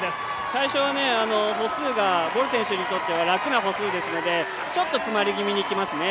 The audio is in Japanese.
最初は歩数がボル選手にとっては楽な歩数なのでちょっとつまり気味にいきますね。